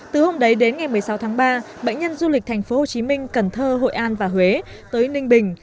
từ hôm đấy đến ngày một mươi sáu tháng ba bệnh nhân du lịch thành phố hồ chí minh cần thơ hội an và huế tới ninh bình